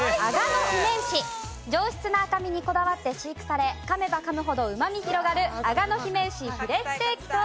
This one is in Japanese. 上質な赤身にこだわって飼育され噛めば噛むほどうまみ広がるあがの姫牛ヒレステーキと。